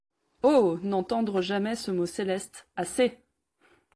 Oh ! n’entendre jamais ce mot céleste : assez !